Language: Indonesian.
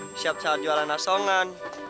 setiap saat jualan asongan